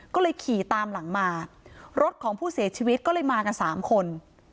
ก็เลยขี่ตามหลังมารถของผู้เสียชีวิตก็เลยมากันสามคน